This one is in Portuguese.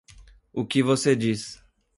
O que você diz